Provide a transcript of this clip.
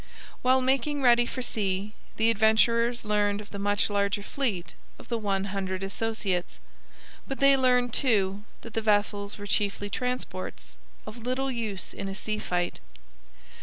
While making ready for sea the Adventurers learned of the much larger fleet of the One Hundred Associates; but they learned, too, that the vessels were chiefly transports, of little use in a sea fight.